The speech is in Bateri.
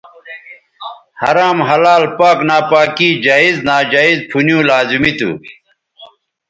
حرام حلال پاک ناپاکی جائز ناجائزپُھنیوں لازمی تھو